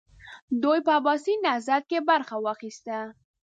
دوی په عباسي نهضت کې برخه واخیسته.